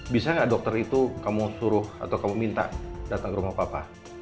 bisa nggak dokter itu kamu suruh atau kamu minta datang ke rumah papa